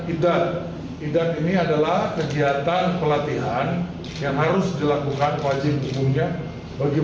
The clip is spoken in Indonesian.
idat idat ini adalah kegiatan pelatihan yang harus dilakukan wajib umumnya bagi